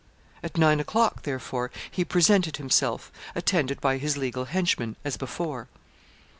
At nine o'clock, therefore, he presented himself, attended by his legal henchmen as before.